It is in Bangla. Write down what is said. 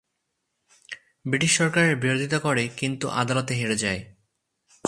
ব্রিটিশ সরকার এর বিরোধিতা করে কিন্তু আদালতে হেরে যায়।